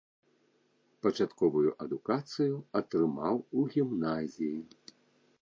Пачатковую адукацыю атрымаў у гімназіі.